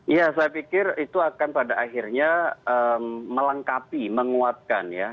ya saya pikir itu akan pada akhirnya melengkapi menguatkan ya